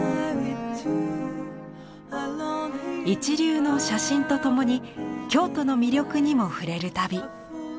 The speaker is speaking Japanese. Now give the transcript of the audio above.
一流の写真とともに京都の魅力にも触れる旅。